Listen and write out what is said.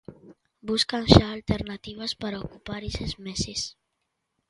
Buscan xa alternativas para ocupar eses meses.